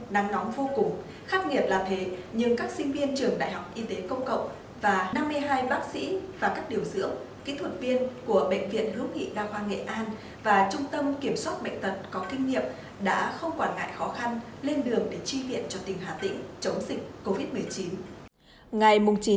nắng nóng vô cùng khắc nghiệt là thế nhưng các sinh viên trường đại học y tế công cộng và năm mươi hai bác sĩ và các điều dưỡng kỹ thuật viên của bệnh viện hữu nghị đa khoa nghệ an và trung tâm kiểm soát bệnh tật có kinh nghiệm đã không quản ngại khó khăn lên đường để chi viện cho tỉnh hà tĩnh chống dịch covid một mươi chín